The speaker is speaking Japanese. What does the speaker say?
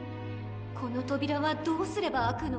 このとびらはどうすればあくの？